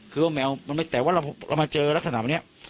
คือว่าแมวมันไม่แต่ว่าเรามาเจอลักษณะแบบนี้